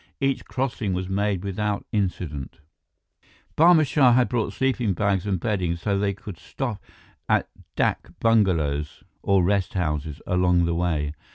Each crossing was made without incident. Barma Shah had brought sleeping bags and bedding so that they could stop at dak bungalows, or rest houses, along the way.